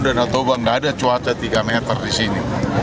dandaboba tidak ada cuaca tiga meter di sini